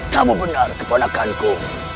kamu benar keponakanku